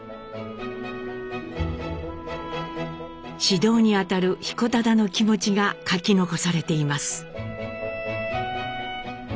指導にあたる彦忠の気持ちが書き残されています。